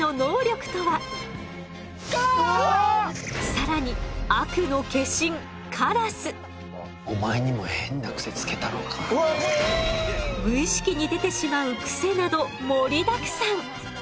更に悪の化身無意識に出てしまうクセなど盛りだくさん。